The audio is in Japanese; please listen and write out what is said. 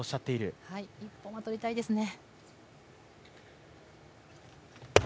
ここも取りたいですね。